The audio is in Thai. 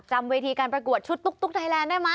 จำเวทีการประกวดชุดตุ๊กไทยแลนด์ได้ไหม